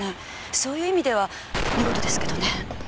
そういう意味では見事ですけどね。